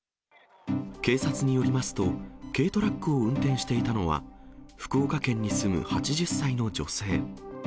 警察によりますと、軽トラックを運転していたのは、福岡県に住む８０歳の女性。